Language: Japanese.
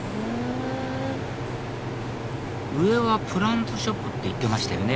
上はプランツショップって言ってましたよね